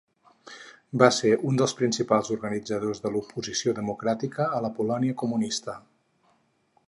Va ser un dels principals organitzadors de l'oposició democràtica a la Polònia comunista.